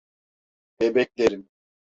Bebeklerim!